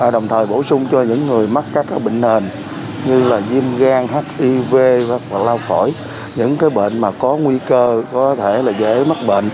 đồng thời bổ sung cho những người mắc các bệnh nền như diêm gan hiv lao khỏi những bệnh có nguy cơ có thể dễ mắc bệnh